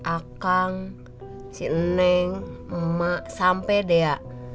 akang si neng emak sampe deh ya